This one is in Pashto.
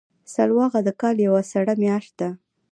سلواغه د کال یوه سړه میاشت ده.